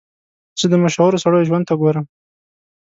زه د مشهورو سړیو ژوند ته ګورم.